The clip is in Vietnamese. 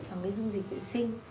phải cái dung dịch vệ sinh